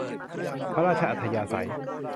พระราชอัธยาศัย